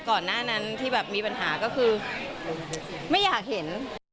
ก่อนหน้านั้นที่แบบมีปัญหาก็คือไม่อยากเห็น